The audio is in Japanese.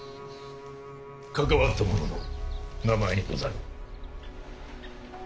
関わった者の名前にござる。